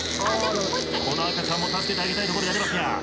この赤ちゃんも助けてあげたいところですが。